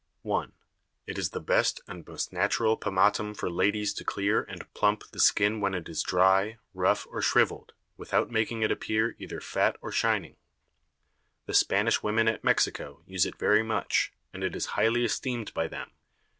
1. It is the best and most natural Pomatum for Ladies to clear and plump the Skin when it is dry, rough, or shrivel'd, without making it appear either fat or shining. The Spanish Women at Mexico, use it very much, and it is highly esteem'd by them.